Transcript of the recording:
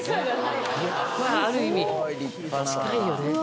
まぁある意味近いよね。